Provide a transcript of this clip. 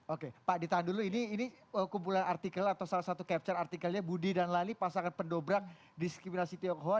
oke pak ditahan dulu ini kumpulan artikel atau salah satu capture artikelnya budi dan lali pasangan pendobrak diskriminasi tionghoa